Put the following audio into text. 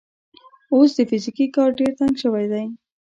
اوس د فزیکي کار ډګر تنګ شوی دی.